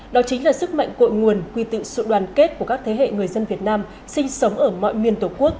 đó chính là sức mạnh cội nguồn quy tự sự đoàn kết của các thế hệ người dân việt nam sinh sống ở mọi miền tổ quốc